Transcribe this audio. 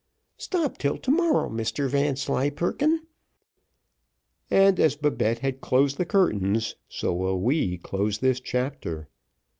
Stop till to morrow, Mr Vanslyperken;" and as Babette has closed the curtains, so will we close this chapter.